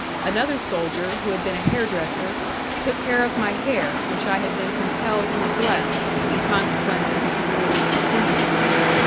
Another soldier, who had been a hair dresser, took care of my hair which I had been compelled to neglect, in consequence of the rules of the seminary.